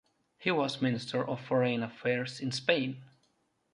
He was minister of Foreign Affairs in Spain.